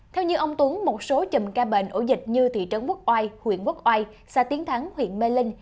theo như ông tuấn một số chùm ca bệnh ổ dịch như thị trấn quốc oai huyện quốc oai xã tiến thắng huyện mê linh